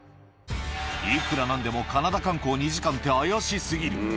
いくらなんでも、カナダ観光２時間って怪しすぎる。